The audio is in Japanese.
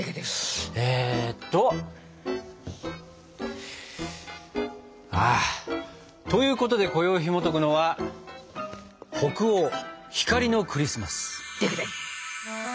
えっと。ということでこよいひもとくのは「北欧光のクリスマス」。